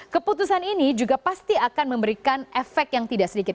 keputusan ini juga pasti akan memberikan efek yang tidak sedikit